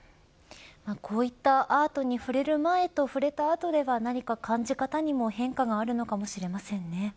こういったアートに触れる前と触れた後では何か感じ方にも変化があるのかもしれませんね。